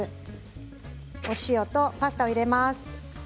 塩とパスタを入れます。